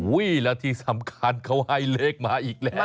แล้วที่สำคัญเขาให้เลขมาอีกแล้ว